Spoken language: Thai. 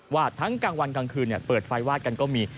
ทั้งกลางวันกลางคืนเปิดไฟวาดกันก็มี